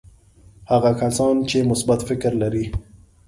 هغه کسان چې مثبت فکر لري.